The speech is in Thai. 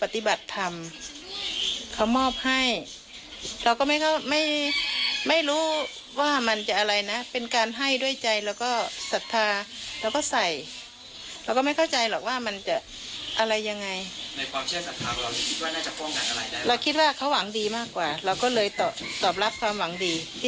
แต่เจ๊บ้าบินเองก็บอกว่าตั้งแต่มีเรื่องราวของลอตเตอรี่๓๐ล้านบาท